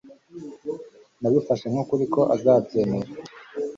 Nabifashe nkukuri ko azabyemera